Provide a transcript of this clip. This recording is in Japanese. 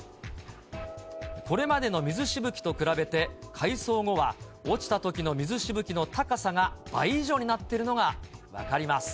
これまでの水しぶきと比べて、改装後は、落ちたときの水しぶきの高さが倍以上になってるのが分かります。